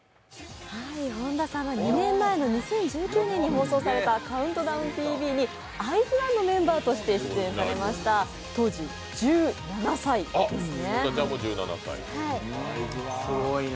２年前の２０１９年に放送された「ＣＯＵＮＴＤＯＷＮＴＶ」にＩＺ＊ＯＮＥのメンバーとして登場されました、当時１７歳ですね。